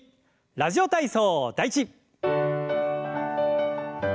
「ラジオ体操第１」。